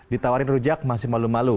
ditawarin rujak masih malu malu